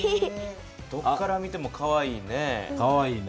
どっから見てもかわいいね。